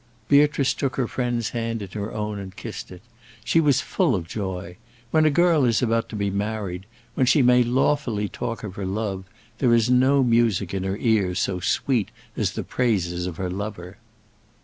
Beatrice took her friend's hand in her own and kissed it. She was full of joy. When a girl is about to be married, when she may lawfully talk of her love, there is no music in her ears so sweet as the praises of her lover.